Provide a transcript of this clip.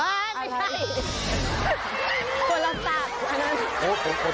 อ้าวไม่ใช่อะไรคุณผู้ชม